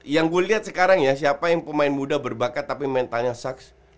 yang gue lihat sekarang ya siapa yang pemain muda berbakat tapi mentalnya suks